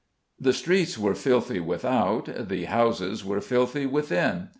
The streets were filthy without, the houses were filthy within.